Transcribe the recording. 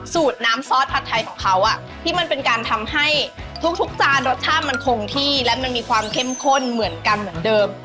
สูตรน้ำซอสผัดไทยของเขาที่มันเป็นการทำให้ทุกจานรสชาติมันคงที่และมันมีความเข้มข้นเหมือนกันเหมือนเดิม